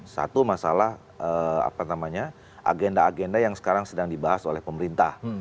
satu masalah agenda agenda yang sekarang sedang dibahas oleh pemerintah